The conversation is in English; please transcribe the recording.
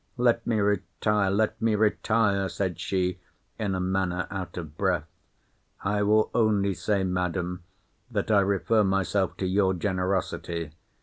Let me retire—let me, retire, said she, in a manner out of breath. I will only say, Madam, that I refer myself to your generosity.